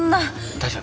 大丈夫。